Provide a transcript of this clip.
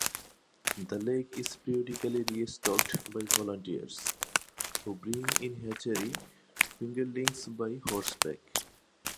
The lake is periodically re-stocked by volunteers, who bring in hatchery fingerlings by horseback.